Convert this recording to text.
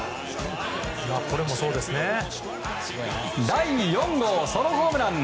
第４号ソロホームラン。